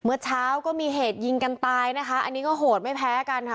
เมื่อเช้าก็มีเหตุยิงกันตายนะคะอันนี้ก็โหดไม่แพ้กันค่ะ